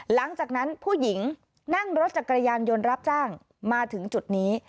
หลังจากนั้นผู้หญิงนั่งรถจักรยานยนต์รับจ้างมาถึงจุดนี้